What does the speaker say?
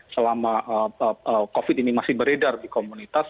selama covid ini masih beredar di komunitas